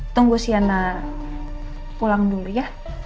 tunggu siana pulang dulu ya